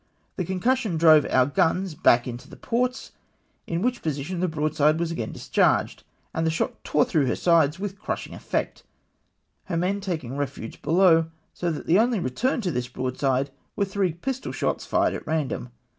The concussion drove our guns back into the ports, in which position the broadside was again discharged, and the shot tore throuo h her sides with crushinej effect, her men taking refuge below, so that the only return to this broadside was three pistol shots fired at random.